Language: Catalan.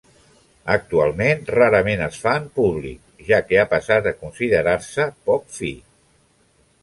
Actualment rarament es fa en públic, ja que ha passat a considerar-se poc fi.